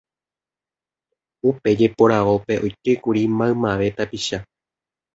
Upe jeporavópe oikékuri maymave tapicha